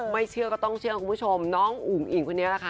ไม่เชื่อก็ต้องเชื่อคุณผู้ชมน้องอุ๋มอิ่งคุณเนี๊ยวนะคะ